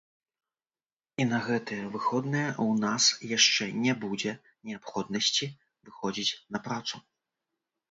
І на гэтыя выходныя ў нас яшчэ не будзе неабходнасці выходзіць на працу.